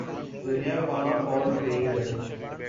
دنیا کہاں پہنچ گئی ہے۔